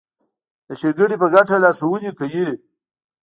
د ښېګڼې په ګټه لارښوونې کوي.